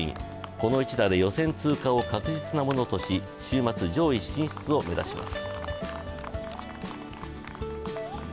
この１打で予選通過を確実なものとし、週末、上位進出を目指します。